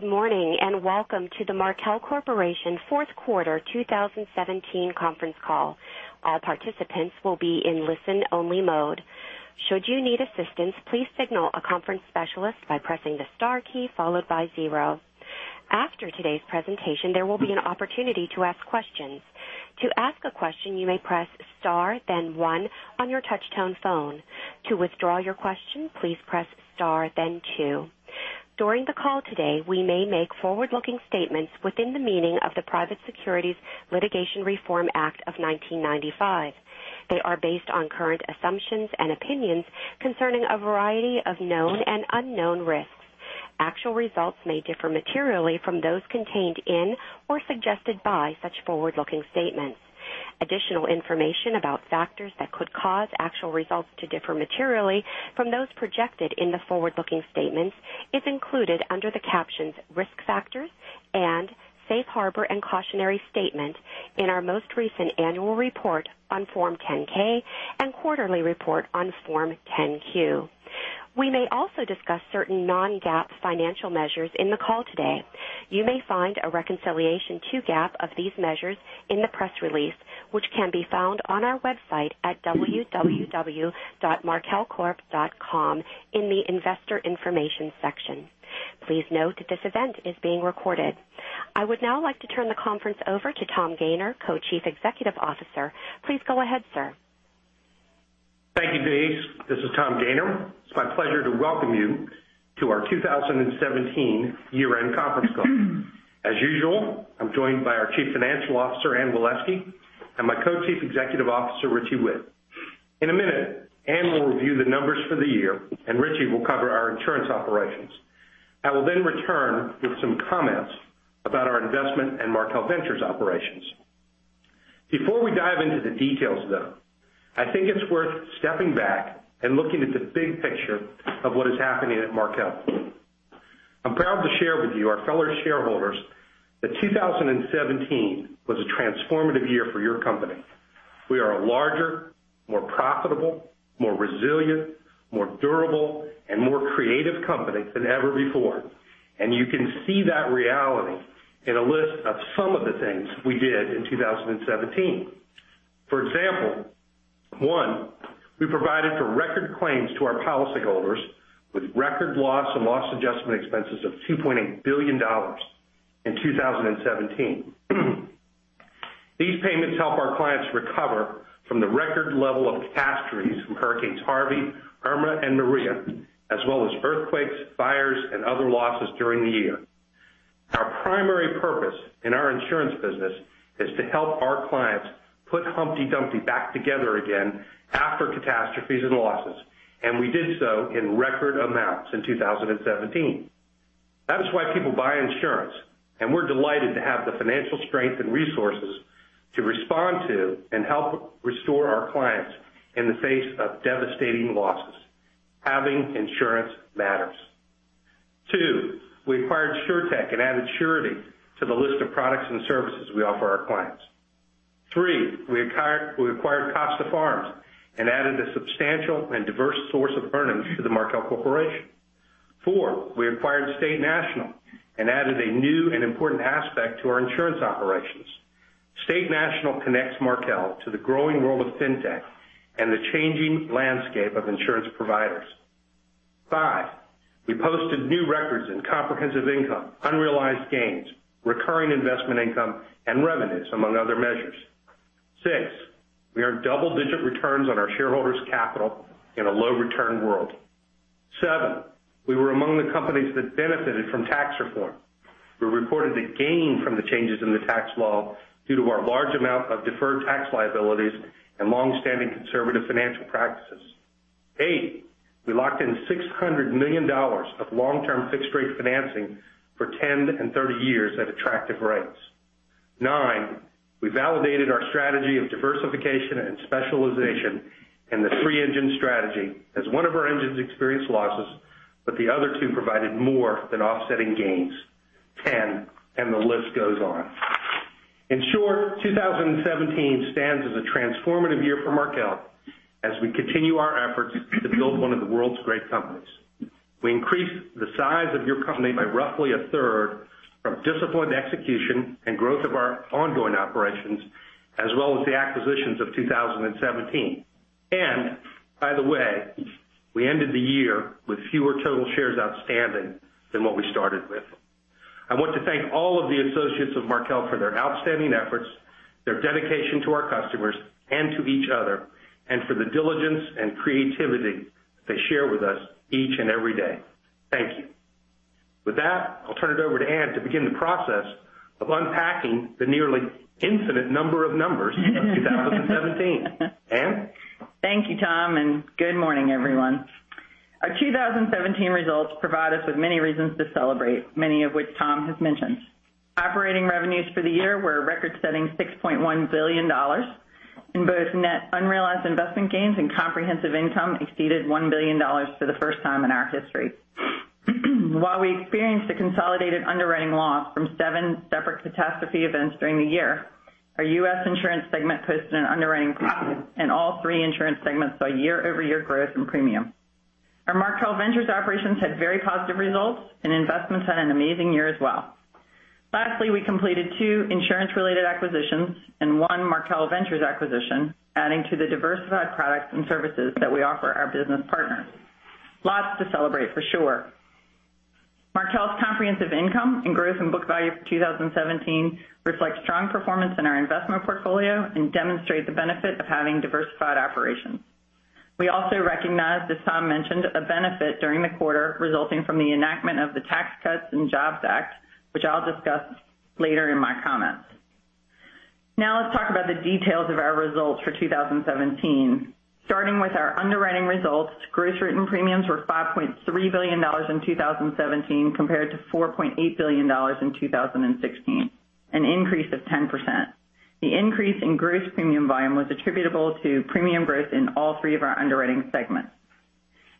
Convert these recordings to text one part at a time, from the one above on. Good morning. Welcome to the Markel Corporation fourth quarter 2017 conference call. All participants will be in listen-only mode. Should you need assistance, please signal a conference specialist by pressing the star key followed by zero. After today's presentation, there will be an opportunity to ask questions. To ask a question, you may press star then one on your touch-tone phone. To withdraw your question, please press star then two. During the call today, we may make forward-looking statements within the meaning of the Private Securities Litigation Reform Act of 1995. They are based on current assumptions and opinions concerning a variety of known and unknown risks. Actual results may differ materially from those contained in or suggested by such forward-looking statements. Additional information about factors that could cause actual results to differ materially from those projected in the forward-looking statements is included under the captions "Risk Factors" and "Safe Harbor and Cautionary Statement" in our most recent annual report on Form 10-K and quarterly report on Form 10-Q. We may also discuss certain non-GAAP financial measures in the call today. You may find a reconciliation to GAAP of these measures in the press release, which can be found on our website at www.markelcorp.com in the investor information section. Please note that this event is being recorded. I would now like to turn the conference over to Tom Gayner, Co-Chief Executive Officer. Please go ahead, sir. Thank you, Denise. This is Tom Gayner. It's my pleasure to welcome you to our 2017 year-end conference call. As usual, I'm joined by our Chief Financial Officer, Anne Waleski, and my Co-Chief Executive Officer, Richie Whitt. In a minute, Anne will review the numbers for the year. Richie will cover our insurance operations. I will return with some comments about our investment and Markel Ventures operations. Before we dive into the details, though, I think it's worth stepping back and looking at the big picture of what is happening at Markel. I'm proud to share with you, our fellow shareholders, that 2017 was a transformative year for your company. We are a larger, more profitable, more resilient, more durable, and more creative company than ever before. You can see that reality in a list of some of the things we did in 2017. For example, one, we provided for record claims to our policyholders with record loss and loss adjustment expenses of $2.8 billion in 2017. These payments help our clients recover from the record level of catastrophes from hurricanes Harvey, Irma, and Maria, as well as earthquakes, fires, and other losses during the year. Our primary purpose in our insurance business is to help our clients put Humpty Dumpty back together again after catastrophes and losses. We did so in record amounts in 2017. That is why people buy insurance. We're delighted to have the financial strength and resources to respond to and help restore our clients in the face of devastating losses. Having insurance matters. Two, we acquired SureTec and added surety to the list of products and services we offer our clients. Three, we acquired Costa Farms and added a substantial and diverse source of earnings to the Markel Corporation. Four, we acquired State National and added a new and important aspect to our insurance operations. State National connects Markel to the growing world of fintech and the changing landscape of insurance providers. Five, we posted new records in comprehensive income, unrealized gains, recurring investment income, and revenues, among other measures. Six, we earned double-digit returns on our shareholders' capital in a low-return world. Seven, we were among the companies that benefited from tax reform. We reported a gain from the changes in the tax law due to our large amount of deferred tax liabilities and long-standing conservative financial practices. Eight, we locked in $600 million of long-term fixed-rate financing for 10 and 30 years at attractive rates. Nine, we validated our strategy of diversification and specialization in the three-engine strategy, as one of our engines experienced losses, but the other two provided more than offsetting gains. 10, the list goes on. In short, 2017 stands as a transformative year for Markel as we continue our efforts to build one of the world's great companies. We increased the size of your company by roughly a third from disciplined execution and growth of our ongoing operations, as well as the acquisitions of 2017. By the way, we ended the year with fewer total shares outstanding than what we started with. I want to thank all of the associates of Markel for their outstanding efforts, their dedication to our customers and to each other, and for the diligence and creativity they share with us each and every day. Thank you. With that, I'll turn it over to Anne to begin the process of unpacking the nearly infinite number of numbers of 2017. Anne? Thank you, Tom. Good morning, everyone. Our 2017 results provide us with many reasons to celebrate, many of which Tom has mentioned. Operating revenues for the year were a record-setting $6.1 billion. Both net unrealized investment gains and comprehensive income exceeded $1 billion for the first time in our history. While we experienced a consolidated underwriting loss from seven separate catastrophe events during the year Our U.S. insurance segment posted an underwriting profit, and all three insurance segments saw year-over-year growth in premium. Our Markel Ventures operations had very positive results, and investments had an amazing year as well. Lastly, we completed two insurance-related acquisitions and one Markel Ventures acquisition, adding to the diversified products and services that we offer our business partners. Lots to celebrate, for sure. Markel's comprehensive income and growth in book value for 2017 reflect strong performance in our investment portfolio and demonstrate the benefit of having diversified operations. We also recognize, as Tom mentioned, a benefit during the quarter resulting from the enactment of the Tax Cuts and Jobs Act, which I'll discuss later in my comments. Now let's talk about the details of our results for 2017. Starting with our underwriting results, gross written premiums were $5.3 billion in 2017 compared to $4.8 billion in 2016, an increase of 10%. The increase in gross premium volume was attributable to premium growth in all three of our underwriting segments.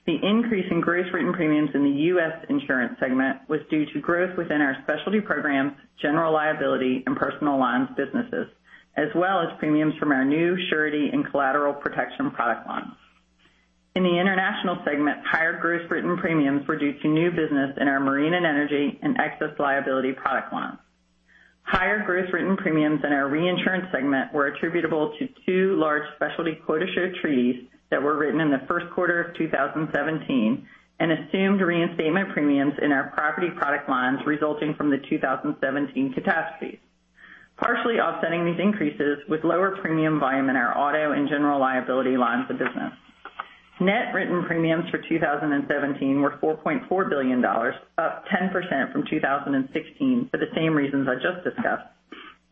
The increase in gross written premiums in the U.S. insurance segment was due to growth within our specialty programs, general liability, and personal lines businesses, as well as premiums from our new surety and collateral protection product lines. In the international segment, higher gross written premiums were due to new business in our marine and energy and excess liability product lines. Higher gross written premiums in our reinsurance segment were attributable to two large specialty quota share treaties that were written in the first quarter of 2017 and assumed reinstatement premiums in our property product lines resulting from the 2017 catastrophes. Partially offsetting these increases with lower premium volume in our auto and general liability lines of business. Net written premiums for 2017 were $4.4 billion, up 10% from 2016 for the same reasons I just discussed,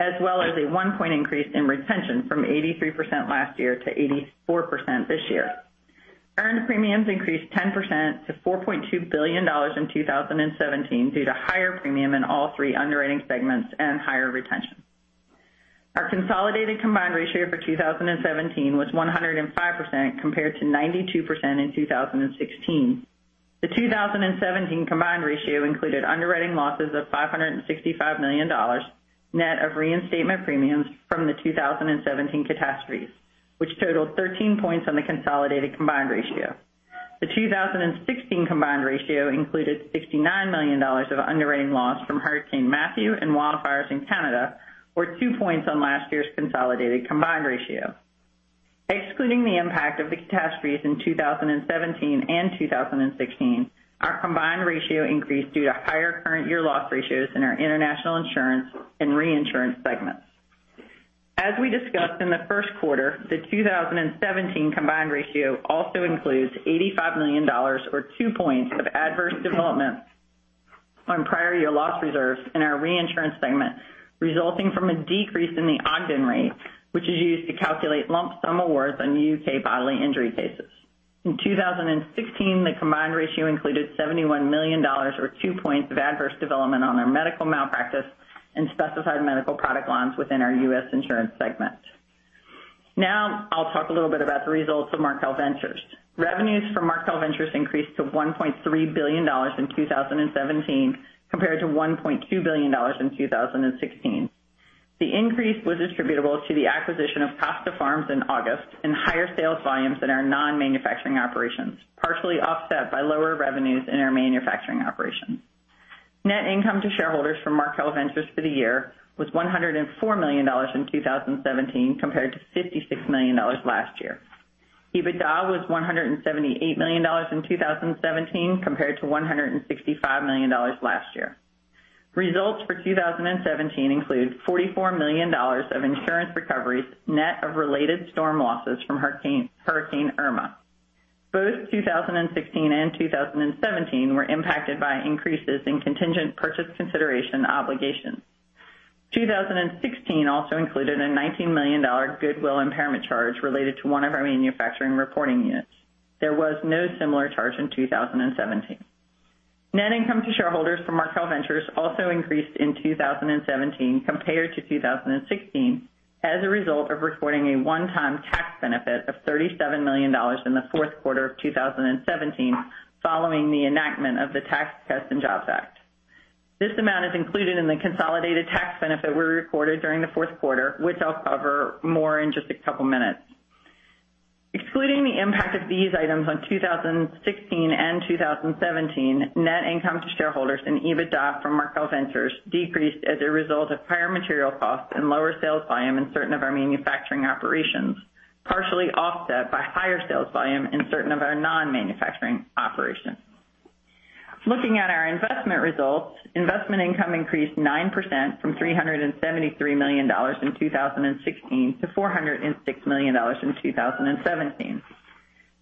as well as a one point increase in retention from 83% last year to 84% this year. Earned premiums increased 10% to $4.2 billion in 2017 due to higher premium in all three underwriting segments and higher retention. Our consolidated combined ratio for 2017 was 105% compared to 92% in 2016. The 2017 combined ratio included underwriting losses of $565 million, net of reinstatement premiums from the 2017 catastrophes, which totaled 13 points on the consolidated combined ratio. The 2016 combined ratio included $69 million of underwriting loss from Hurricane Matthew and wildfires in Canada, or two points on last year's consolidated combined ratio. Excluding the impact of the catastrophes in 2017 and 2016, our combined ratio increased due to higher current year loss ratios in our international insurance and reinsurance segments. As we discussed in the first quarter, the 2017 combined ratio also includes $85 million or two points of adverse developments on prior year loss reserves in our reinsurance segment, resulting from a decrease in the Ogden rate, which is used to calculate lump sum awards on U.K. bodily injury cases. In 2016, the combined ratio included $71 million or two points of adverse development on our medical malpractice and specified medical product lines within our U.S. insurance segment. Now I'll talk a little bit about the results of Markel Ventures. Revenues for Markel Ventures increased to $1.3 billion in 2017 compared to $1.2 billion in 2016. The increase was attributable to the acquisition of Costa Farms in August and higher sales volumes in our non-manufacturing operations, partially offset by lower revenues in our manufacturing operations. Net income to shareholders from Markel Ventures for the year was $104 million in 2017 compared to $56 million last year. EBITDA was $178 million in 2017 compared to $165 million last year. Results for 2017 include $44 million of insurance recoveries, net of related storm losses from Hurricane Irma. Both 2016 and 2017 were impacted by increases in contingent purchase consideration obligations. 2016 also included a $19 million goodwill impairment charge related to one of our manufacturing reporting units. There was no similar charge in 2017. Net income to shareholders from Markel Ventures also increased in 2017 compared to 2016 as a result of reporting a one-time tax benefit of $37 million in the fourth quarter of 2017 following the enactment of the Tax Cuts and Jobs Act. This amount is included in the consolidated tax benefit we recorded during the fourth quarter, which I'll cover more in just a couple minutes. Excluding the impact of these items on 2016 and 2017, net income to shareholders and EBITDA from Markel Ventures decreased as a result of higher material costs and lower sales volume in certain of our manufacturing operations, partially offset by higher sales volume in certain of our non-manufacturing operations. Looking at our investment results, investment income increased 9% from $373 million in 2016 to $406 million in 2017.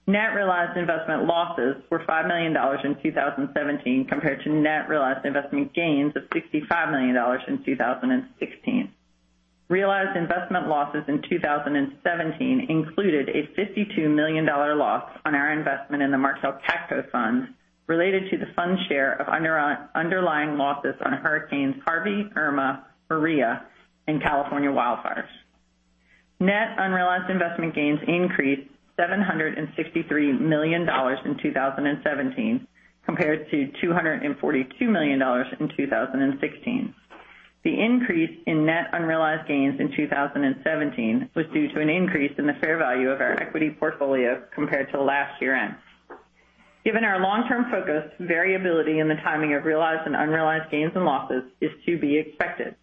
Net realized investment losses were $5 million in 2017 compared to net realized investment gains of $65 million in 2016. Realized investment losses in 2017 included a $52 million loss on our investment in the Markel CATCo Fund related to the fund share of underlying losses on Hurricanes Harvey, Irma, Maria, and California wildfires. Net unrealized investment gains increased to $763 million in 2017 compared to $242 million in 2016. The increase in net unrealized gains in 2017 was due to an increase in the fair value of our equity portfolio compared to last year-end. Given our long-term focus, variability in the timing of realized and unrealized gains and losses is to be expected.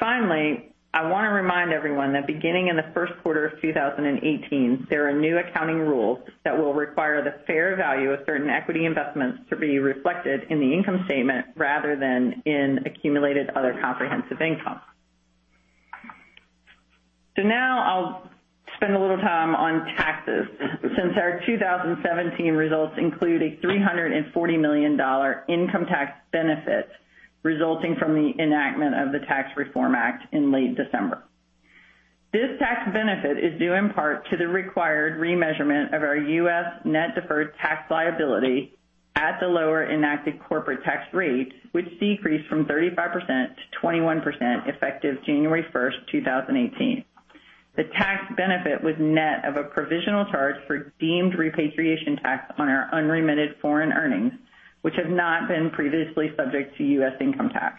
Finally, I want to remind everyone that beginning in the first quarter of 2018, there are new accounting rules that will require the fair value of certain equity investments to be reflected in the income statement rather than in accumulated other comprehensive income. Now I'll spend a little time on taxes since our 2017 results include a $340 million income tax benefit resulting from the enactment of the Tax Reform Act in late December. This tax benefit is due in part to the required remeasurement of our U.S. net deferred tax liability at the lower enacted corporate tax rate, which decreased from 35% to 21% effective January 1st, 2018. The tax benefit was net of a provisional charge for deemed repatriation tax on our unremitted foreign earnings, which have not been previously subject to U.S. income tax.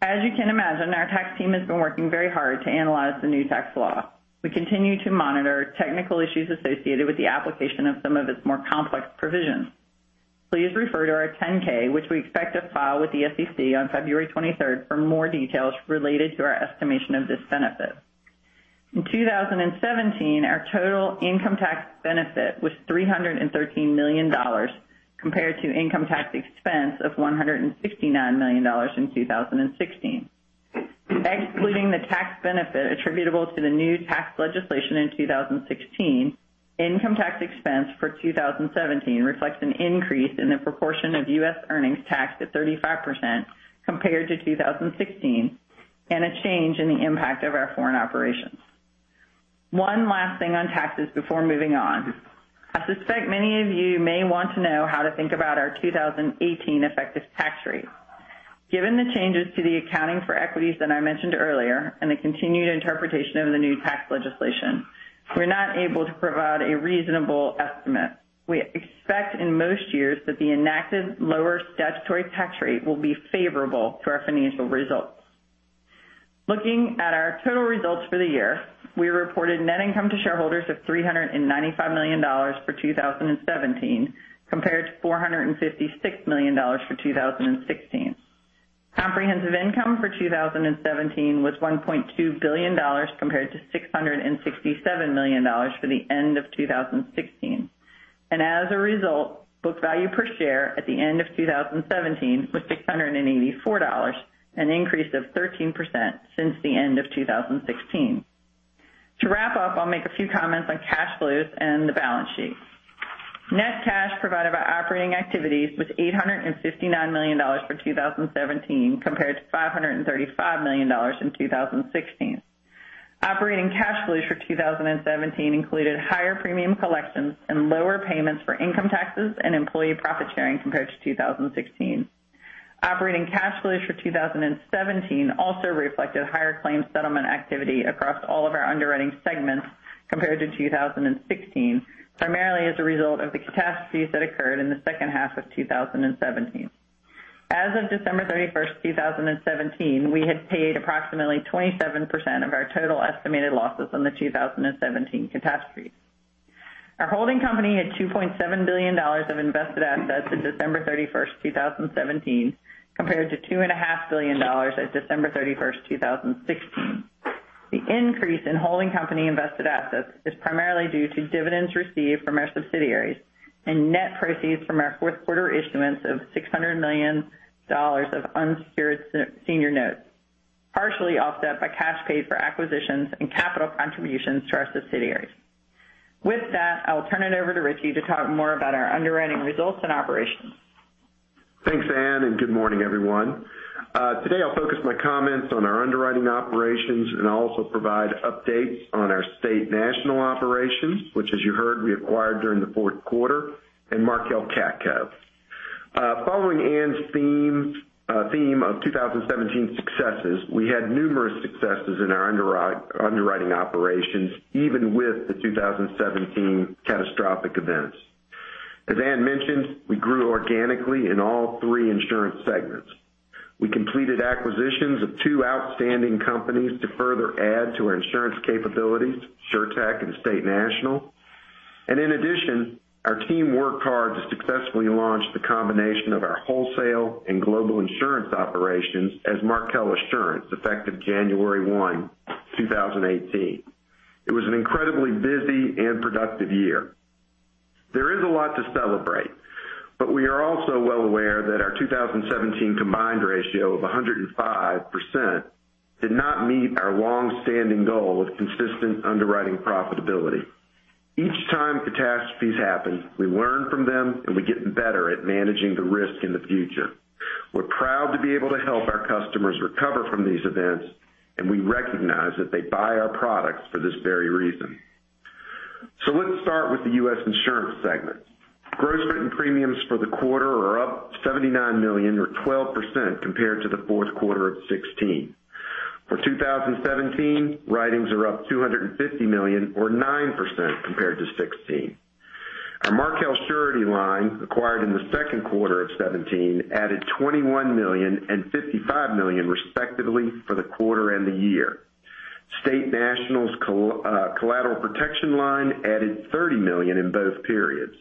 As you can imagine, our tax team has been working very hard to analyze the new tax law. We continue to monitor technical issues associated with the application of some of its more complex provisions. Please refer to our 10-K, which we expect to file with the SEC on February 23rd for more details related to our estimation of this benefit. In 2017, our total income tax benefit was $313 million compared to income tax expense of $169 million in 2016. Excluding the tax benefit attributable to the new tax legislation in 2016, income tax expense for 2017 reflects an increase in the proportion of U.S. earnings taxed at 35% compared to 2016, and a change in the impact of our foreign operations. One last thing on taxes before moving on. I suspect many of you may want to know how to think about our 2018 effective tax rate. Given the changes to the accounting for equities that I mentioned earlier and the continued interpretation of the new tax legislation, we're not able to provide a reasonable estimate. We expect in most years that the enacted lower statutory tax rate will be favorable to our financial results. Looking at our total results for the year, we reported net income to shareholders of $395 million for 2017 compared to $456 million for 2016. Comprehensive income for 2017 was $1.2 billion compared to $667 million for the end of 2016. As a result, book value per share at the end of 2017 was $684, an increase of 13% since the end of 2016. To wrap up, I'll make a few comments on cash flows and the balance sheet. Net cash provided by operating activities was $859 million for 2017 compared to $535 million in 2016. Operating cash flow for 2017 included higher premium collections and lower payments for income taxes and employee profit-sharing compared to 2016. Operating cash flow for 2017 also reflected higher claim settlement activity across all of our underwriting segments compared to 2016, primarily as a result of the catastrophes that occurred in the second half of 2017. As of December 31st, 2017, we had paid approximately 27% of our total estimated losses on the 2017 catastrophe. Our holding company had $2.7 billion of invested assets as of December 31st, 2017 compared to $2.5 billion as of December 31st, 2016. The increase in holding company invested assets is primarily due to dividends received from our subsidiaries and net proceeds from our fourth quarter issuance of $600 million of unsecured senior notes, partially offset by cash paid for acquisitions and capital contributions to our subsidiaries. With that, I will turn it over to Richie to talk more about our underwriting results and operations. Thanks, Anne, good morning, everyone. Today I'll focus my comments on our underwriting operations and also provide updates on our State National operations, which as you heard, we acquired during the fourth quarter, and Markel CATCo. Following Anne's theme of 2017 successes, we had numerous successes in our underwriting operations, even with the 2017 catastrophic events. As Anne mentioned, we grew organically in all three insurance segments. We completed acquisitions of two outstanding companies to further add to our insurance capabilities, SureTec and State National. In addition, our team worked hard to successfully launch the combination of our wholesale and global insurance operations as Markel Assurance, effective January 1, 2018. It was an incredibly busy and productive year. There is a lot to celebrate, but we are also well aware that our 2017 combined ratio of 105% did not meet our longstanding goal of consistent underwriting profitability. Each time catastrophes happen, we learn from them, we get better at managing the risk in the future. We're proud to be able to help our customers recover from these events, we recognize that they buy our products for this very reason. Let's start with the U.S. insurance segment. Gross written premiums for the quarter are up $79 million or 12% compared to the fourth quarter of 2016. For 2017, writings are up $250 million or 9% compared to 2016. Our Markel Surety line, acquired in the second quarter of 2017, added $21 million and $55 million respectively for the quarter and the year. State National's collateral protection line added $30 million in both periods.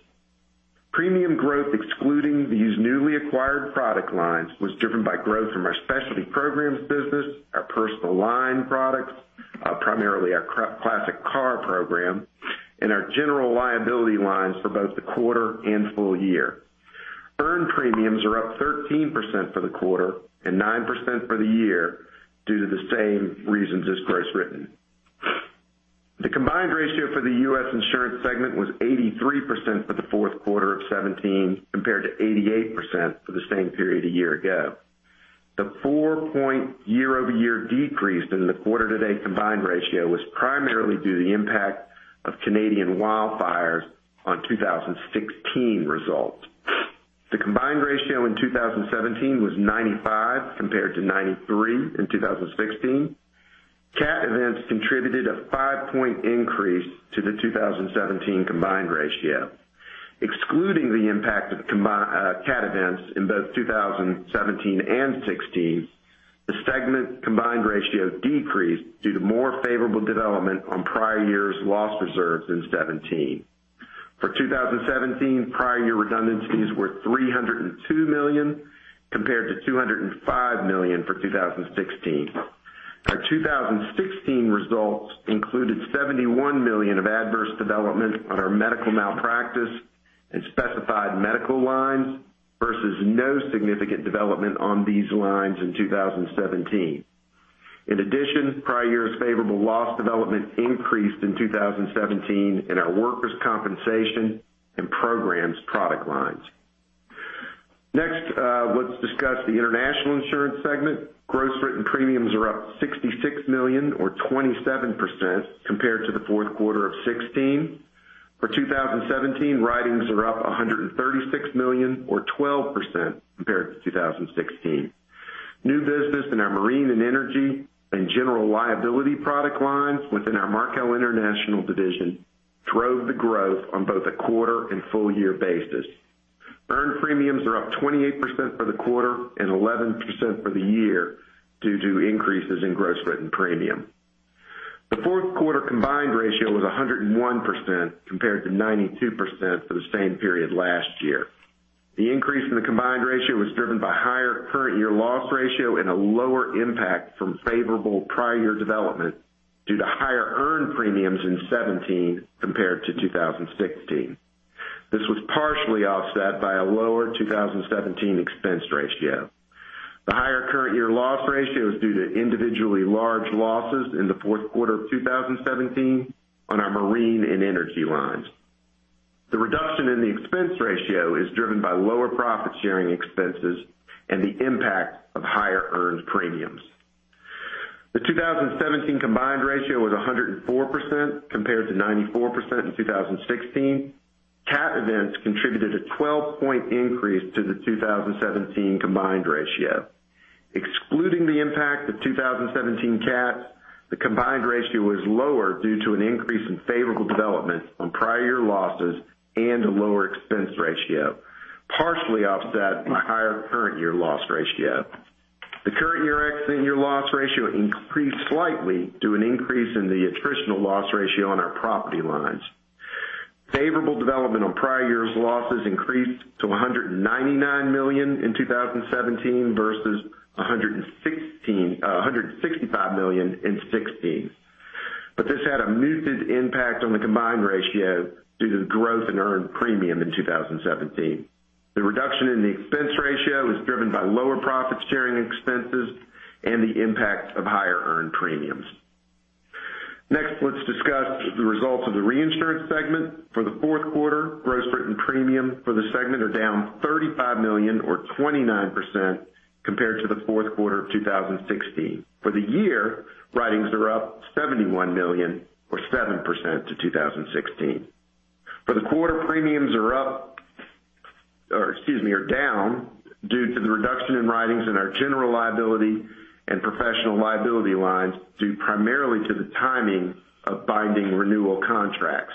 Premium growth excluding these newly acquired product lines was driven by growth from our specialty programs business, our personal line products, primarily our classic car program, our general liability lines for both the quarter and full year. Earned premiums are up 13% for the quarter and 9% for the year due to the same reasons as gross written. The combined ratio for the U.S. insurance segment was 83% for the fourth quarter of 2017, compared to 88% for the same period a year ago. The four-point year-over-year decrease in the quarter-to-date combined ratio was primarily due to the impact of Canadian wildfires on 2016 results. The combined ratio in 2017 was 95% compared to 93% in 2016. Cat events contributed a five-point increase to the 2017 combined ratio. Excluding the impact of Cat events in both 2017 and 2016, the segment combined ratio decreased due to more favorable development on prior years' loss reserves in 2017. For 2017, prior year redundancies were $302 million, compared to $205 million for 2016. Our 2016 results included $71 million of adverse development on our medical malpractice and specified medical lines versus no significant development on these lines in 2017. In addition, prior year's favorable loss development increased in 2017 in our workers' compensation and programs product lines. Next, let's discuss the international insurance segment. Gross written premiums are up $66 million or 27% compared to the fourth quarter of 2016. For 2017, writings are up $136 million or 12% compared to 2016. New business in our marine and energy and general liability product lines within our Markel International division drove the growth on both a quarter and full year basis. Earned premiums are up 28% for the quarter and 11% for the year due to increases in gross written premium. The fourth quarter combined ratio was 101% compared to 92% for the same period last year. The increase in the combined ratio was driven by higher current year loss ratio and a lower impact from favorable prior year development due to higher earned premiums in 2017 compared to 2016. This was partially offset by a lower 2017 expense ratio. The higher current year loss ratio is due to individually large losses in the fourth quarter of 2017 on our marine and energy lines. The reduction in the expense ratio is driven by lower profit-sharing expenses and the impact of higher earned premiums. The 2017 combined ratio was 104% compared to 94% in 2016. Cat events contributed a 12-point increase to the 2017 combined ratio. Excluding the impact of 2017 cats, the combined ratio was lower due to an increase in favorable development on prior year losses and a lower expense ratio, partially offset by higher current year loss ratio. The current year excess and year loss ratio increased slightly due to an increase in the attritional loss ratio on our property lines. Favorable development on prior years' losses increased to $199 million in 2017 versus $165 million in 2016. This had a muted impact on the combined ratio due to the growth in earned premium in 2017. The reduction in the expense ratio was driven by lower profit-sharing expenses and the impact of higher earned premiums. Next, let's discuss the results of the reinsurance segment for the fourth quarter. Gross written premium for the segment are down $35 million or 29% compared to the fourth quarter of 2016. For the year, writings are up $71 million or 7% to 2016. For the quarter, premiums are up or, excuse me, are down due to the reduction in writings in our general liability and professional liability lines, due primarily to the timing of binding renewal contracts.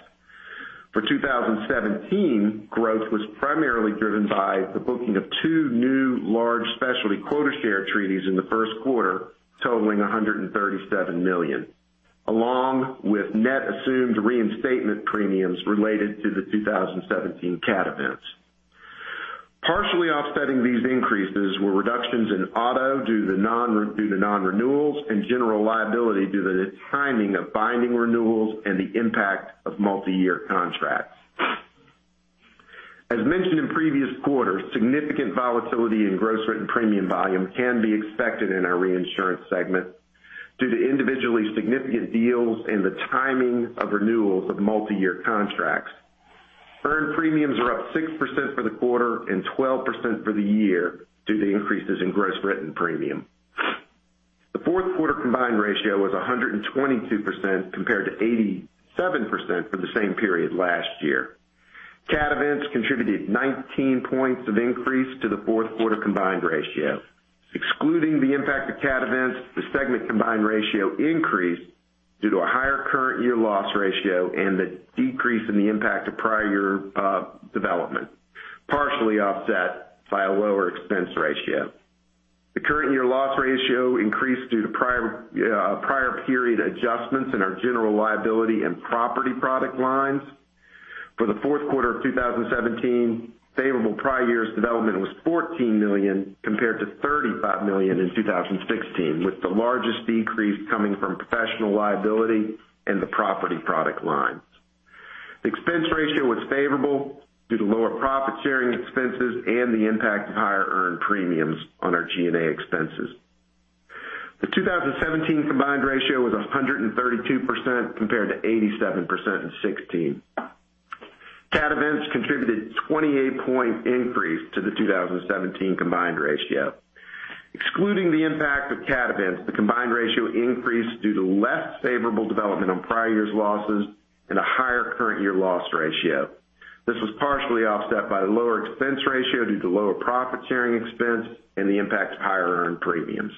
For 2017, growth was primarily driven by the booking of two new large specialty quota share treaties in the first quarter, totaling $137 million, along with net assumed reinstatement premiums related to the 2017 Cat events. Partially offsetting these increases were reductions in auto due to non-renewals and general liability due to the timing of binding renewals and the impact of multi-year contracts. As mentioned in previous quarters, significant volatility in gross written premium volume can be expected in our reinsurance segment due to individually significant deals and the timing of renewals of multi-year contracts. Earned premiums were up 6% for the quarter and 12% for the year due to increases in gross written premium. The fourth quarter combined ratio was 122% compared to 87% for the same period last year. Cat events contributed 19 points of increase to the fourth quarter combined ratio. Excluding the impact of Cat events, the segment combined ratio increased due to a higher current year loss ratio and the decrease in the impact of prior year development, partially offset by a lower expense ratio. The current year loss ratio increased due to prior period adjustments in our general liability and property product lines. For the fourth quarter of 2017, favorable prior years development was $14 million compared to $35 million in 2016, with the largest decrease coming from professional liability and the property product lines. The expense ratio was favorable due to lower profit-sharing expenses and the impact of higher earned premiums on our G&A expenses. The 2017 combined ratio was 132%, compared to 87% in 2016. Cat events contributed a 28-point increase to the 2017 combined ratio. Excluding the impact of cat events, the combined ratio increased due to less favorable development on prior year's losses and a higher current year loss ratio. This was partially offset by the lower expense ratio due to lower profit-sharing expense and the impact of higher earned premiums.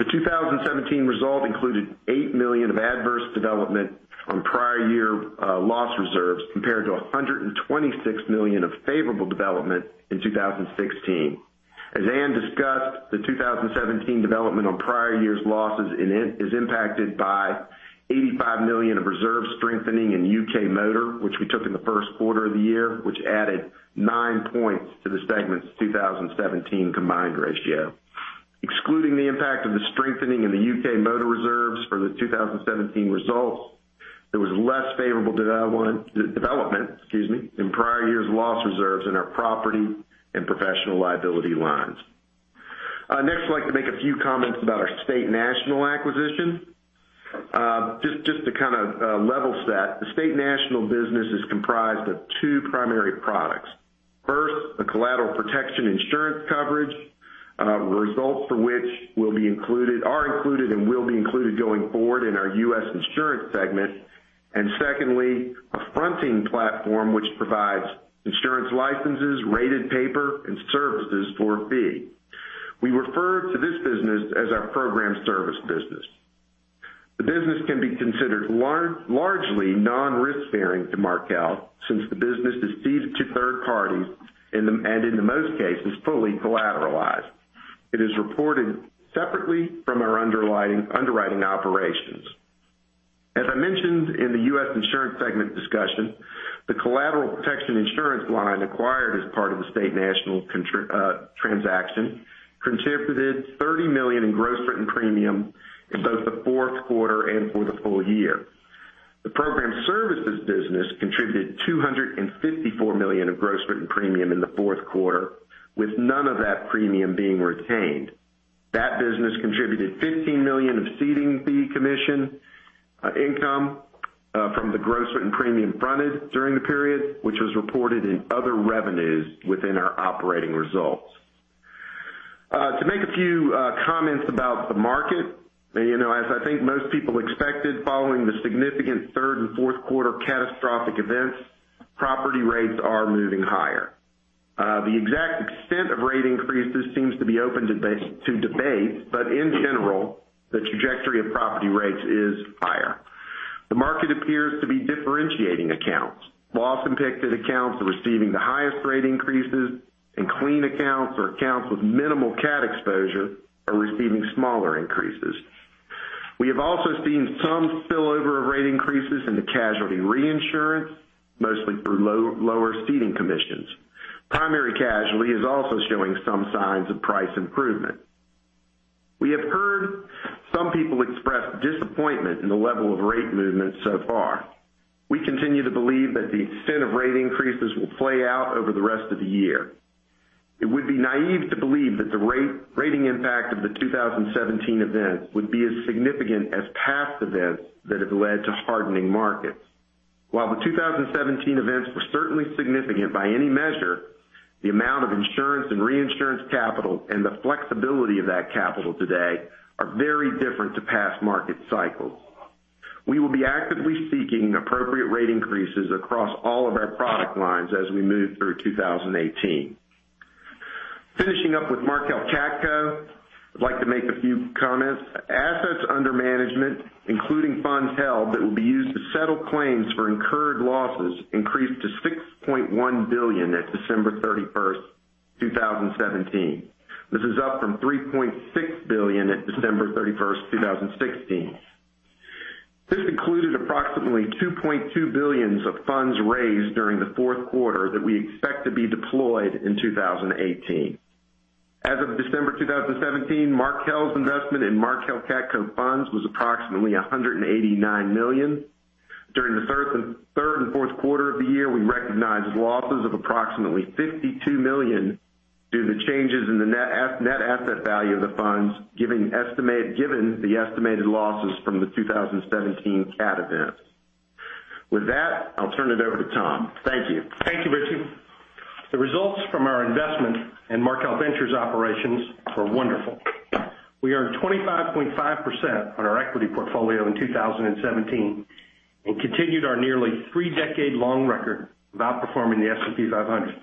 The 2017 result included $8 million of adverse development on prior year loss reserves, compared to $126 million of favorable development in 2016. As Anne discussed, the 2017 development on prior years' losses is impacted by $85 million of reserve strengthening in U.K. motor, which we took in the first quarter of the year, which added 9 points to the segment's 2017 combined ratio. Excluding the impact of the strengthening in the U.K. motor reserves for the 2017 results, there was less favorable development in prior years' loss reserves in our property and professional liability lines. Next, I'd like to make a few comments about our State National acquisition. Just to kind of level set, the State National business is comprised of two primary products. First, the collateral protection insurance coverage, results for which are included and will be included going forward in our U.S. Insurance segment. Secondly, a fronting platform which provides insurance licenses, rated paper, and services for a fee. We refer to this business as our program service business. The business can be considered largely non-risk-bearing to Markel since the business is ceded to third parties and in the most cases, fully collateralized. It is reported separately from our underwriting operations. As I mentioned in the U.S. Insurance segment discussion, the collateral protection insurance line acquired as part of the State National transaction contributed $30 million in gross written premium in both the fourth quarter and for the full year. The program services business contributed $254 million of gross written premium in the fourth quarter, with none of that premium being retained. That business contributed $15 million of ceding fee commission income from the gross written premium fronted during the period, which was reported in other revenues within our operating results. To make a few comments about the market. As I think most people expected following the significant third and fourth quarter catastrophic events, property rates are moving higher. The exact extent of rate increases seems to be open to debate, in general, the trajectory of property rates is higher. The market appears to be differentiating accounts. Loss-impaired accounts are receiving the highest rate increases, and clean accounts or accounts with minimal cat exposure are receiving smaller increases. We have also seen some spillover of rate increases into casualty reinsurance, mostly through lower ceding commissions. Primary casualty is also showing some signs of price improvement. We have heard some people express disappointment in the level of rate movements so far. We continue to believe that the extent of rate increases will play out over the rest of the year. It would be naive to believe that the rating impact of the 2017 events would be as significant as past events that have led to hardening markets. While the 2017 events were certainly significant by any measure, the amount of insurance and reinsurance capital and the flexibility of that capital today are very different to past market cycles. We will be actively seeking appropriate rate increases across all of our product lines as we move through 2018. Finishing up with Markel CATCo, I'd like to make a few comments. Assets under management, including funds held that will be used to settle claims for incurred losses, increased to $6.1 billion at December 31st, 2017. This is up from $3.6 billion at December 31st, 2016. This included approximately $2.2 billions of funds raised during the fourth quarter that we expect to be deployed in 2018. As of December 2017, Markel's investment in Markel CATCo funds was approximately $189 million. During the third and fourth quarter of the year, we recognized losses of approximately $52 million due to changes in the net asset value of the funds, given the estimated losses from the 2017 cat events. With that, I'll turn it over to Tom. Thank you. Thank you, Richie. The results from our investment in Markel Ventures operations were wonderful. We earned 25.5% on our equity portfolio in 2017 and continued our nearly three-decade-long record of outperforming the S&P 500.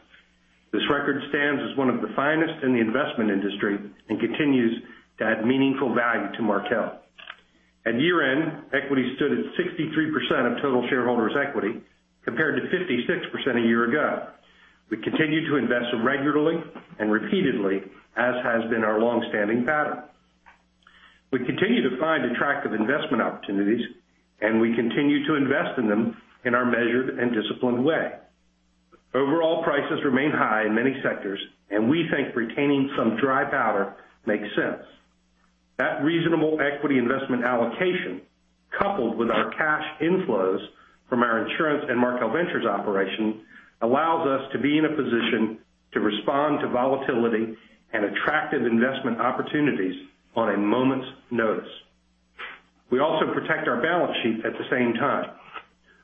This record stands as one of the finest in the investment industry and continues to add meaningful value to Markel. At year-end, equity stood at 63% of total shareholders' equity, compared to 56% a year ago. We continue to invest regularly and repeatedly, as has been our long-standing pattern. We continue to find attractive investment opportunities. We continue to invest in them in our measured and disciplined way. Overall prices remain high in many sectors. We think retaining some dry powder makes sense. That reasonable equity investment allocation, coupled with our cash inflows from our insurance and Markel Ventures operation, allows us to be in a position to respond to volatility and attractive investment opportunities on a moment's notice. We also protect our balance sheet at the same time.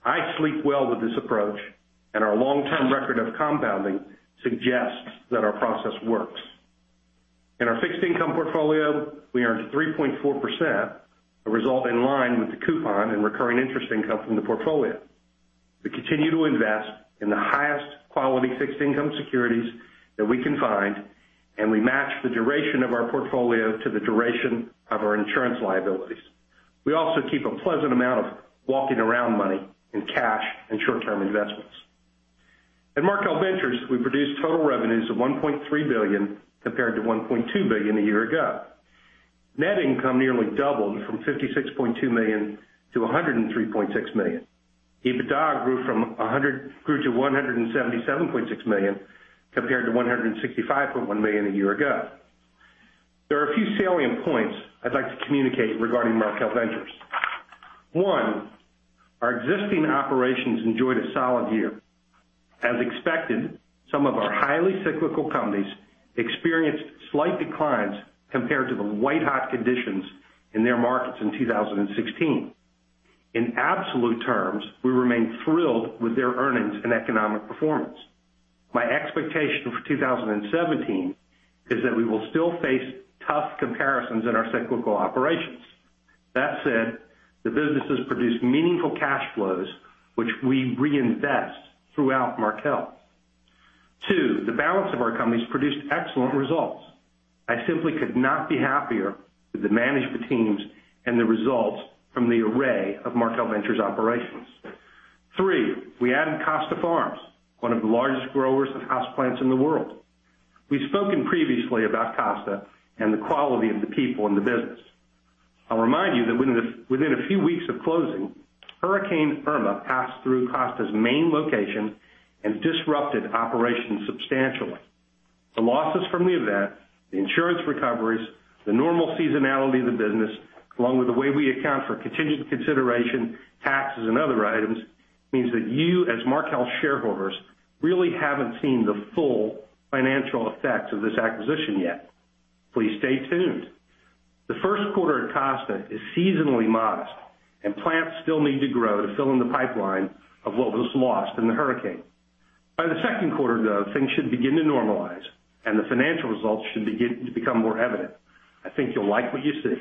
I sleep well with this approach. Our long-term record of compounding suggests that our process works. In our fixed income portfolio, we earned 3.4%, a result in line with the coupon and recurring interest income from the portfolio. We continue to invest in the highest quality fixed income securities that we can find. We match the duration of our portfolio to the duration of our insurance liabilities. We also keep a pleasant amount of walking around money in cash and short-term investments. At Markel Ventures, we produced total revenues of $1.3 billion compared to $1.2 billion a year ago. Net income nearly doubled from $56.2 million to $103.6 million. EBITDA grew to $177.6 million, compared to $165.1 million a year ago. There are a few salient points I'd like to communicate regarding Markel Ventures. One, our existing operations enjoyed a solid year. As expected, some of our highly cyclical companies experienced slight declines compared to the white-hot conditions in their markets in 2016. In absolute terms, we remain thrilled with their earnings and economic performance. My expectation for 2017 is that we will still face tough comparisons in our cyclical operations. That said, the businesses produced meaningful cash flows, which we reinvest throughout Markel. Two, the balance of our companies produced excellent results. I simply could not be happier with the management teams and the results from the array of Markel Ventures operations. Three, we added Costa Farms, one of the largest growers of house plants in the world. We've spoken previously about Costa and the quality of the people in the business. I'll remind you that within a few weeks of closing, Hurricane Irma passed through Costa's main location and disrupted operations substantially. The losses from the event, the insurance recoveries, the normal seasonality of the business, along with the way we account for contingent consideration, taxes, and other items, means that you, as Markel shareholders, really haven't seen the full financial effects of this acquisition yet. Please stay tuned. The first quarter at Costa is seasonally modest, and plants still need to grow to fill in the pipeline of what was lost in the hurricane. By the second quarter, though, things should begin to normalize, and the financial results should begin to become more evident. I think you'll like what you see.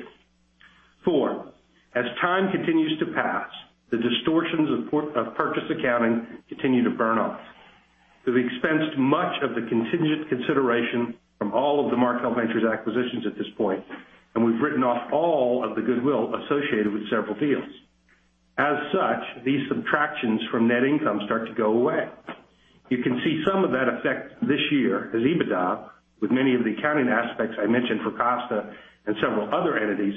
Four, as time continues to pass, the distortions of purchase accounting continue to burn off. We've expensed much of the contingent consideration from all of the Markel Ventures acquisitions at this point, and we've written off all of the goodwill associated with several deals. As such, these subtractions from net income start to go away. You can see some of that effect this year as EBITDA, with many of the accounting aspects I mentioned for Costa and several other entities,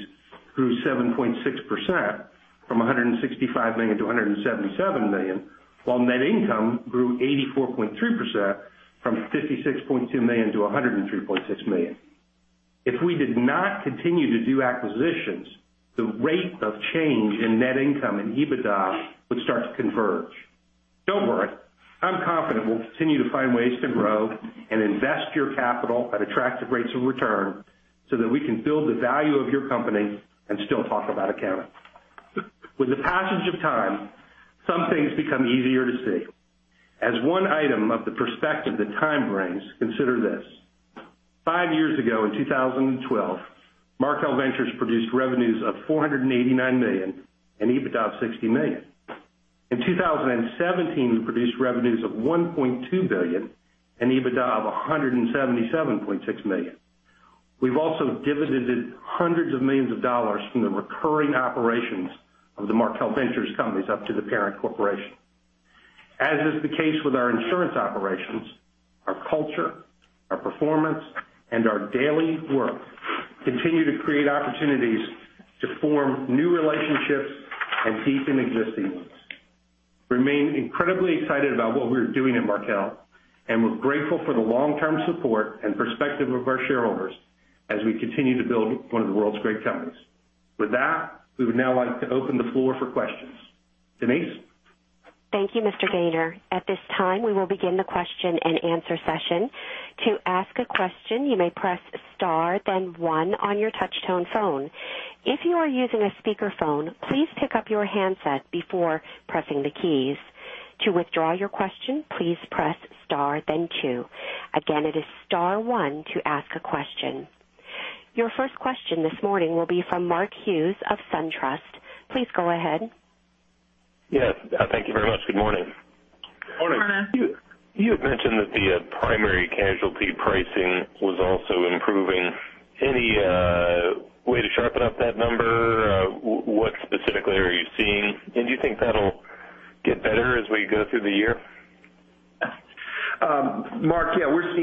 grew 7.6%, from $165 million to $177 million, while net income grew 84.3%, from $56.2 million to $103.6 million. If we did not continue to do acquisitions, the rate of change in net income and EBITDA would start to converge. Don't worry, I'm confident we'll continue to find ways to grow and invest your capital at attractive rates of return so that we can build the value of your company and still talk about accounting. With the passage of time, some things become easier to see. As one item of the perspective that time brings, consider this. Five years ago, in 2012, Markel Ventures produced revenues of $489 million and EBITDA of $60 million. In 2017, we produced revenues of $1.2 billion and EBITDA of $177.6 million. We've also divvied hundreds of millions of dollars from the recurring operations of the Markel Ventures companies up to the parent corporation. As is the case with our insurance operations, our culture, our performance, and our daily work continue to create opportunities to form new relationships and deepen existing ones. Remain incredibly excited about what we're doing at Markel, and we're grateful for the long-term support and perspective of our shareholders as we continue to build one of the world's great companies. With that, we would now like to open the floor for questions. Denise? Thank you, Mr. Gayner. At this time, we will begin the question and answer session. To ask a question, you may press star, then one on your touchtone phone. If you are using a speakerphone, please pick up your handset before pressing the keys. To withdraw your question, please press star, then two. Again, it is star one to ask a question. Your first question this morning will be from Mark Hughes of SunTrust. Please go ahead. Yes. Thank you very much. Good morning. Morning. You had mentioned that the primary casualty pricing was also improving. Any way to sharpen up that number? What specifically are you seeing? Do you think that'll get better as we go through the year? Mark, yeah, we're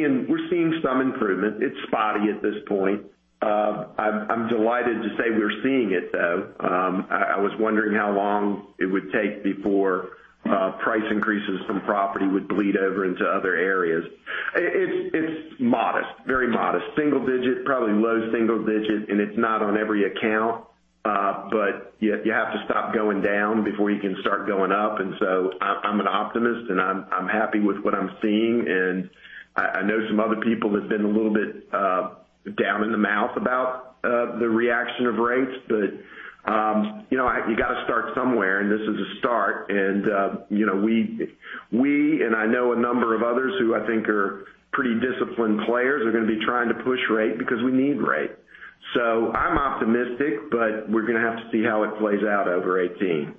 seeing some improvement. It's spotty at this point. I'm delighted to say we're seeing it, though. I was wondering how long it would take before price increases from property would bleed over into other areas. It's modest. Very modest. Single digit, probably low single digit, and it's not on every account. You have to stop going down before you can start going up. I'm an optimist, and I'm happy with what I'm seeing, and I know some other people have been a little bit down in the mouth about the reaction of rates. You got to start somewhere, and this is a start. We, and I know a number of others who I think are pretty disciplined players, are going to be trying to push rate because we need rate. I'm optimistic, but we're going to have to see how it plays out over 2018.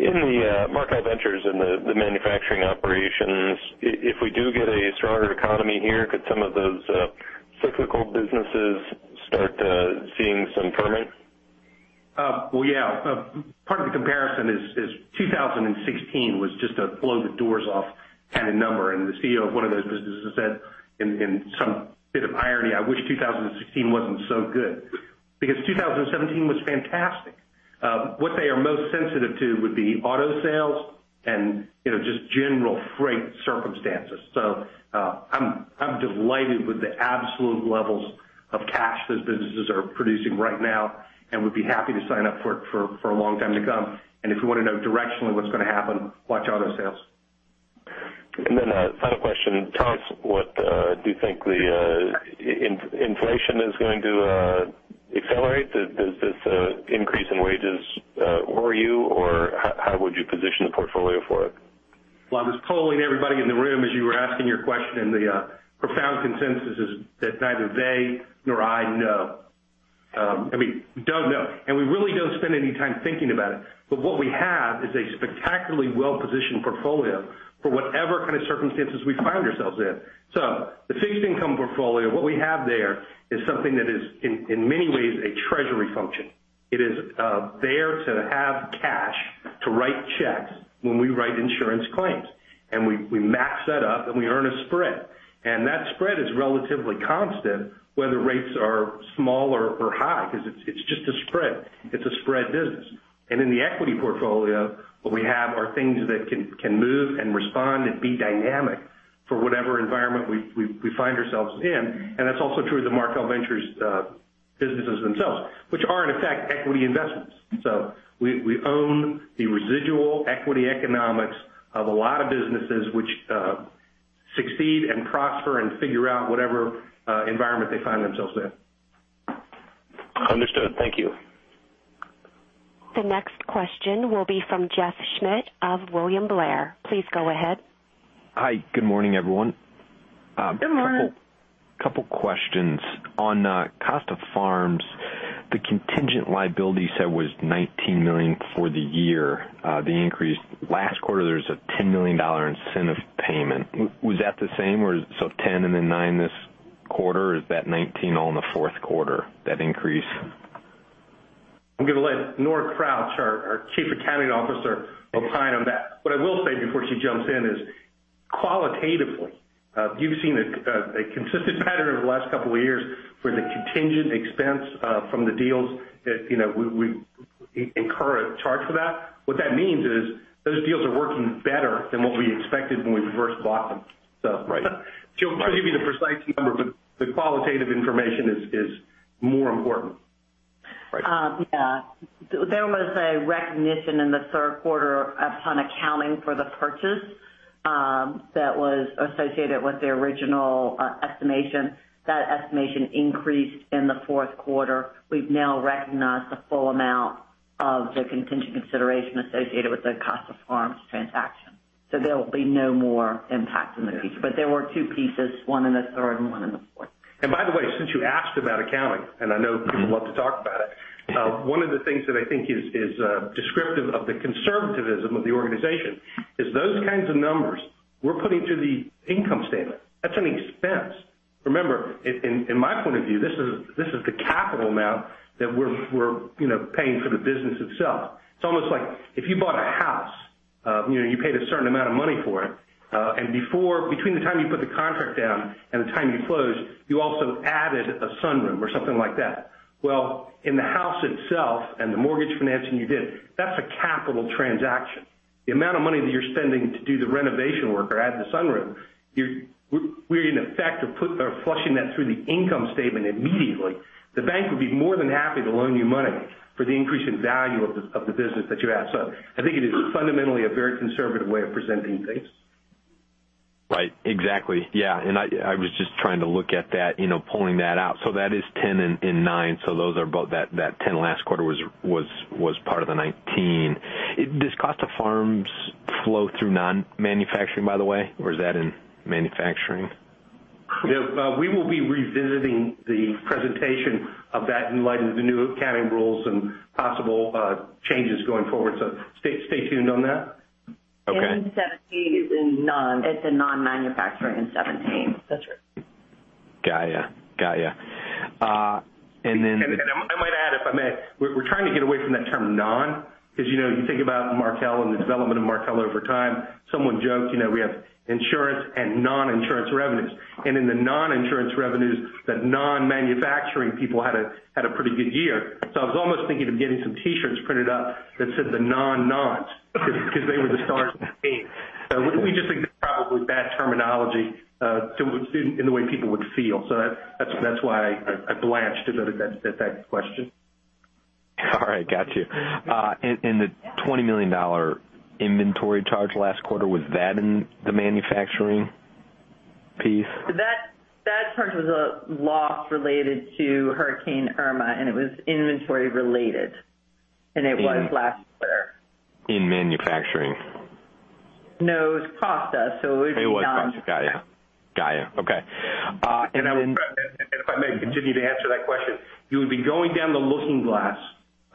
In the Markel Ventures and the manufacturing operations, if we do get a stronger economy here, could some of those cyclical businesses start seeing some permits? Well, yeah. Part of the comparison is 2016 was just a blow the doors off kind of number, and the CEO of one of those businesses said, in some bit of irony, I wish 2016 wasn't so good. Because 2017 was fantastic. What they are most sensitive to would be auto sales and just general freight circumstances. I'm delighted with the absolute levels of cash those businesses are producing right now and would be happy to sign up for a long time to come. If you want to know directionally what's going to happen, watch auto sales. Tom, a final question, do you think the inflation is going to accelerate? Does this increase in wages worry you, or how would you position the portfolio for it? Well, I was polling everybody in the room as you were asking your question, the profound consensus is that neither they nor I know. We don't know. We really don't spend any time thinking about it. What we have is a spectacularly well-positioned portfolio for whatever kind of circumstances we find ourselves in. The fixed income portfolio, what we have there is something that is, in many ways, a treasury function. It is there to have cash to write checks when we write insurance claims. We max that up and we earn a spread. That spread is relatively constant, whether rates are small or high, because it's just a spread. It's a spread business. In the equity portfolio, what we have are things that can move and respond and be dynamic for whatever environment we find ourselves in. That's also true of the Markel Ventures businesses themselves, which are, in effect, equity investments. We own the residual equity economics of a lot of businesses which succeed and prosper and figure out whatever environment they find themselves in. Understood. Thank you. The next question will be from Jeff Schmitt of William Blair. Please go ahead. Hi. Good morning, everyone. Good morning. Couple questions. On Costa Farms, the contingent liability you said was $19 million for the year. The increase. Last quarter, there was a $10 million incentive payment. Was that the same? 10 and then nine this quarter, or is that 19 all in the fourth quarter, that increase? I'm going to let Nora Crouch, our Chief Accounting Officer, opine on that. What I will say before she jumps in is qualitatively, you've seen a consistent pattern over the last couple of years where the contingent expense from the deals that we incur a charge for that. What that means is those deals are working better than what we expected when we first bought them. Right. She'll give you the precise number, the qualitative information is more important. Right. There was a recognition in the third quarter upon accounting for the purchase that was associated with the original estimation. That estimation increased in the fourth quarter. We've now recognized the full amount of the contingent consideration associated with the Costa Farms transaction. There will be no more impact in the future. There were two pieces, one in the third and one in the fourth. By the way, since you asked about accounting, and I know people love to talk about it, one of the things that I think is descriptive of the conservativism of the organization is those kinds of numbers we're putting through the income statement. That's an expense. Remember, in my point of view, this is the capital amount that we're paying for the business itself. It's almost like if you bought a house, you paid a certain amount of money for it, and between the time you put the contract down and the time you closed, you also added a sunroom or something like that. Well, in the house itself and the mortgage financing you did, that's a capital transaction. The amount of money that you're spending to do the renovation work or add the sunroom, we, in effect, are flushing that through the income statement immediately. The bank would be more than happy to loan you money for the increase in value of the business that you have. I think it is fundamentally a very conservative way of presenting things. Right. Exactly. I was just trying to look at that, pulling that out. That is 10 in nine. That 10 last quarter was part of the 19. Does Costa Farms flow through non-manufacturing, by the way, or is that in manufacturing? We will be revisiting the presentation of that in light of the new accounting rules and possible changes going forward. Stay tuned on that. Okay. In 2017, it's in non-manufacturing in 2017. That's right. Got you. I might add, if I may, we're trying to get away from that term non, because you think about Markel and the development of Markel over time, someone joked, we have insurance and non-insurance revenues. In the non-insurance revenues, that non-manufacturing people had a pretty good year. I was almost thinking of getting some T-shirts printed up that said the non nones because they were the stars of the team. We just think it's probably bad terminology, in the way people would feel. That's why I blanched at that question. All right. Got you. The $20 million inventory charge last quarter, was that in the manufacturing piece? That charge was a loss related to Hurricane Irma, and it was inventory related, and it was last quarter. In manufacturing. No, it was Costa. It was non. It was Costa. Got you. Okay. If I may continue to answer that question, you would be going down the looking glass,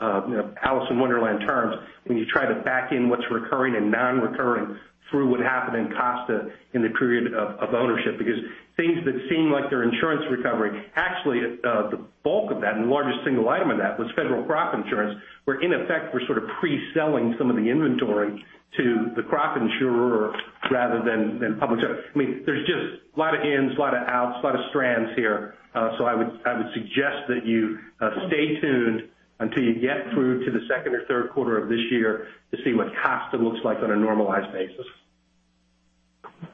Alice in Wonderland terms, when you try to back in what's recurring and non-recurring through what happened in Costa in the period of ownership, because things that seem like they're insurance recovery, actually, the bulk of that, and the largest single item of that was federal crop insurance, where in effect, we're sort of pre-selling some of the inventory to the crop insurer rather than public. There's just a lot of ins, a lot of outs, a lot of strands here. I would suggest that you stay tuned until you get through to the second or third quarter of this year to see what Costa looks like on a normalized basis.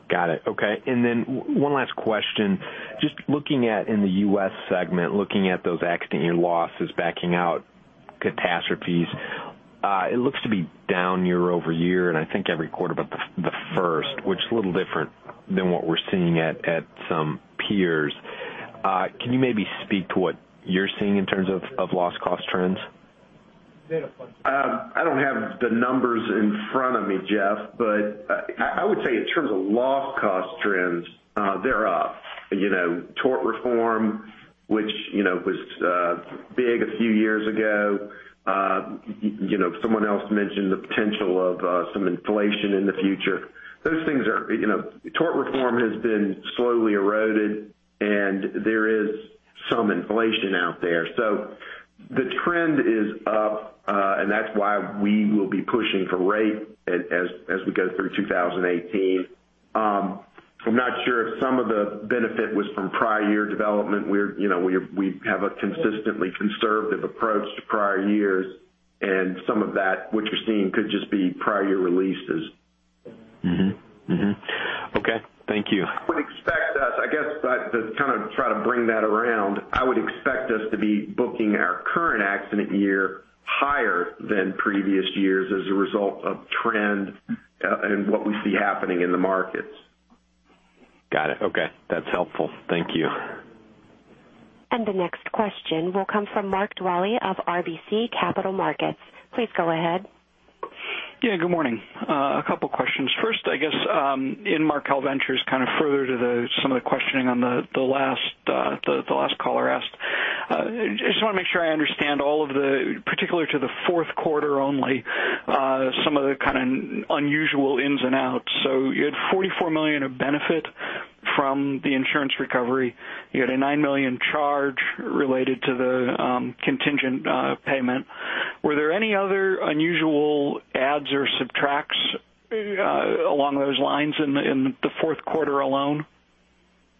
Got it. Okay. One last question. Just looking at in the U.S. segment, looking at those accident year losses, backing out catastrophes, it looks to be down year-over-year, and I think every quarter but the first, which is a little different than what we're seeing at some peers. Can you maybe speak to what you're seeing in terms of loss cost trends? I don't have the numbers in front of me, Jeff, I would say in terms of loss cost trends, they're up. Tort reform, which was big a few years ago. Someone else mentioned the potential of some inflation in the future. Tort reform has been slowly eroded, there is some inflation out there. The trend is up, that's why we will be pushing for rate as we go through 2018. I'm not sure if some of the benefit was from prior year development. We have a consistently conservative approach to prior years, and some of that, what you're seeing could just be prior year releases. Okay. Thank you. I would expect us, to kind of try to bring that around, I would expect us to be booking our current accident year higher than previous years as a result of trend and what we see happening in the markets. Got it. Okay. That's helpful. Thank you. The next question will come from Mark Dwelle of RBC Capital Markets. Please go ahead. Good morning. A couple questions. First, I guess, in Markel Ventures, kind of further to some of the questioning on the last caller asked. I just want to make sure I understand all of the, particular to the fourth quarter only, some of the kind of unusual ins and outs. You had $44 million of benefit from the insurance recovery. You had a $9 million charge related to the contingent payment. Were there any other unusual adds or subtracts along those lines in the fourth quarter alone?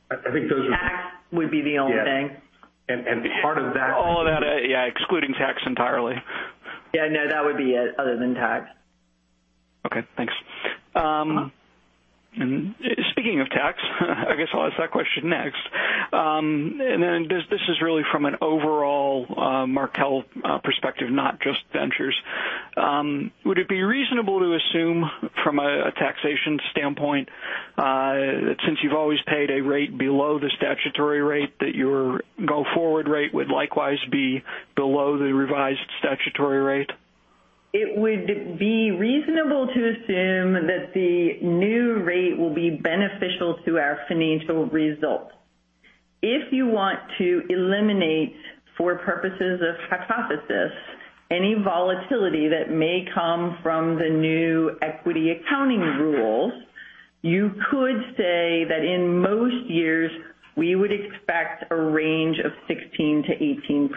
I think those- Tax would be the only thing. Yeah. Part of that. All of that, yeah, excluding tax entirely. Yeah, no, that would be it other than tax. Okay, thanks. Speaking of tax, I guess I'll ask that question next. This is really from an overall Markel perspective, not just Markel Ventures. Would it be reasonable to assume from a taxation standpoint, that since you've always paid a rate below the statutory rate, that your go-forward rate would likewise be below the revised statutory rate? It would be reasonable to assume that the new rate will be beneficial to our financial results. If you want to eliminate, for purposes of hypothesis, any volatility that may come from the new equity accounting rules, you could say that in most years, we would expect a range of 16%-18%.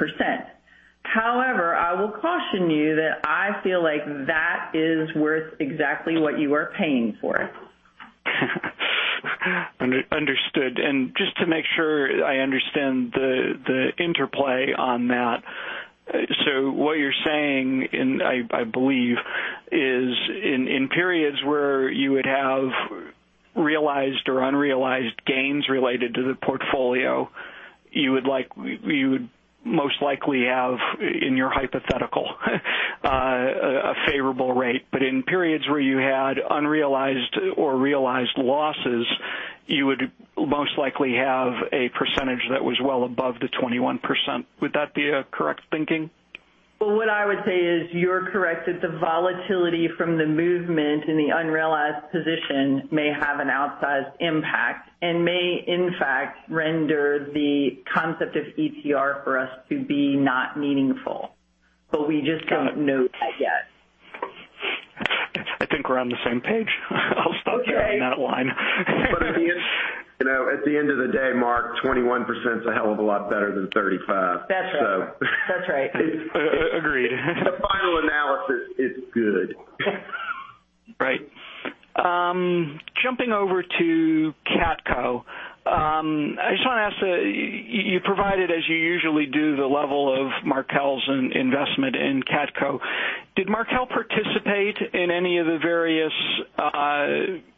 However, I will caution you that I feel like that is worth exactly what you are paying for it. Understood. Just to make sure I understand the interplay on that. What you're saying, I believe, is in periods where you would have realized or unrealized gains related to the portfolio You would most likely have, in your hypothetical, a favorable rate, but in periods where you had unrealized or realized losses, you would most likely have a percentage that was well above the 21%. Would that be a correct thinking? What I would say is you're correct that the volatility from the movement in the unrealized position may have an outsized impact and may, in fact, render the concept of ETR for us to be not meaningful. We just don't know that yet. I think we're on the same page. I'll stop you on that line. Okay. At the end of the day, Mark, 21% is a hell of a lot better than 35. That's right. So. That's right. Agreed. The final analysis is good. Right. Jumping over to CATCo. I just want to ask, you provided, as you usually do, the level of Markel's investment in CATCo. Did Markel participate in any of the various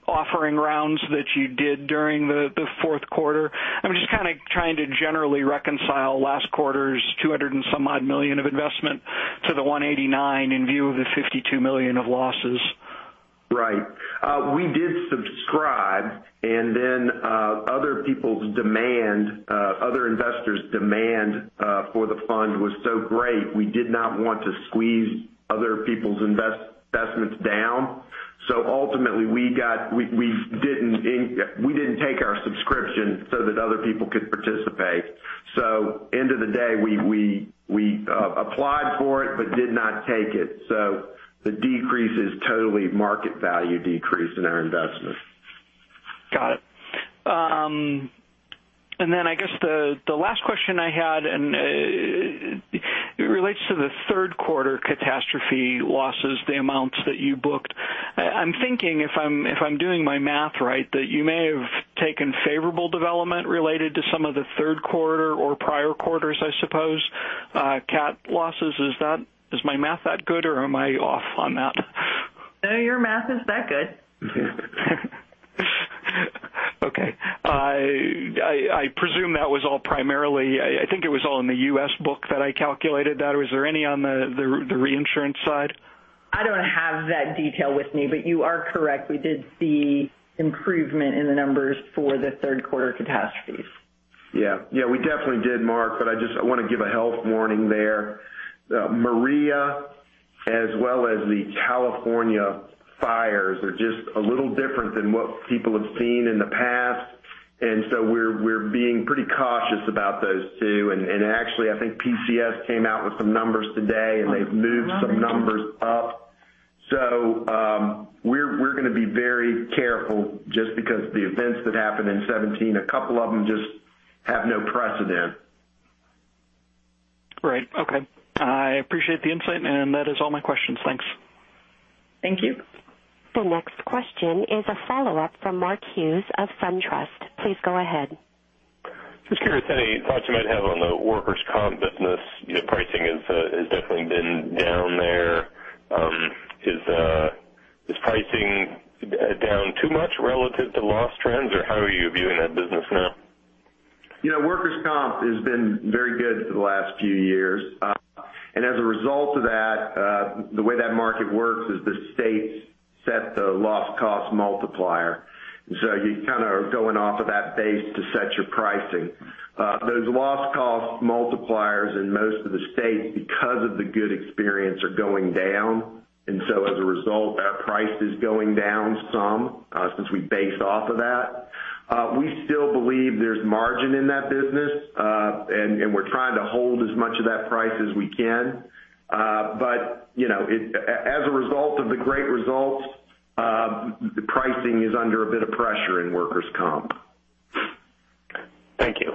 offering rounds that you did during the fourth quarter? I'm just trying to generally reconcile last quarter's 200 and some odd million of investment to the $189 in view of the $52 million of losses. Right. We did subscribe and then other investors' demand for the fund was so great, we did not want to squeeze other people's investments down. Ultimately, we didn't take our subscription so that other people could participate. End of the day, we applied for it but did not take it. The decrease is totally market value decrease in our investment. Got it. I guess the last question I had, and it relates to the third quarter catastrophe losses, the amounts that you booked. I'm thinking, if I'm doing my math right, that you may have taken favorable development related to some of the third quarter or prior quarters, I suppose, cat losses. Is my math that good or am I off on that? No, your math is that good. Okay. I presume that was all primarily, I think it was all in the U.S. book that I calculated that, or was there any on the reinsurance side? I don't have that detail with me. You are correct, we did see improvement in the numbers for the third quarter catastrophes. Yeah. We definitely did, Mark. I want to give a health warning there. Maria, as well as the California fires, are just a little different than what people have seen in the past. We're being pretty cautious about those two. Actually, I think PCS came out with some numbers today. They've moved some numbers up. We're going to be very careful just because the events that happened in 2017, a couple of them just have no precedent. Right. Okay. I appreciate the insight, and that is all my questions. Thanks. Thank you. The next question is a follow-up from Mark Hughes of SunTrust. Please go ahead. Just curious any thoughts you might have on the workers' comp business. Pricing has definitely been down there. Is pricing down too much relative to loss trends, or how are you viewing that business now? Workers' comp has been very good for the last few years. As a result of that, the way that market works is the states set the loss cost multiplier. You're kind of going off of that base to set your pricing. Those loss cost multipliers in most of the states, because of the good experience, are going down. As a result, our price is going down some, since we base off of that. We still believe there's margin in that business, and we're trying to hold as much of that price as we can. As a result of the great results, the pricing is under a bit of pressure in workers' comp. Thank you.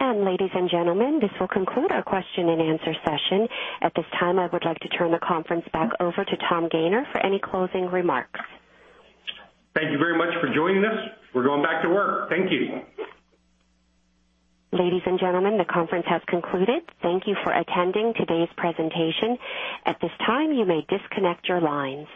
Ladies and gentlemen, this will conclude our question and answer session. At this time, I would like to turn the conference back over to Tom Gayner for any closing remarks. Thank you very much for joining us. We're going back to work. Thank you. Ladies and gentlemen, the conference has concluded. Thank you for attending today's presentation. At this time, you may disconnect your lines.